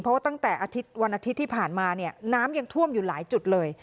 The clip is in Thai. เพราะว่าตั้งแต่อาทิตย์วันอาทิตย์ที่ผ่านมาเนี่ยน้ำยังท่วมอยู่หลายจุดเลย